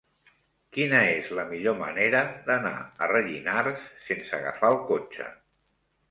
Quina és la millor manera d'anar a Rellinars sense agafar el cotxe?